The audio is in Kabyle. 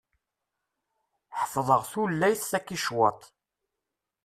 Ḥeffḍeɣ tulayt takičwatt.